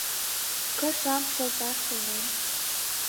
Кышам шылташ шонен.